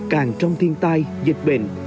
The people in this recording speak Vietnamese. càng trong thiên tai dịch bệnh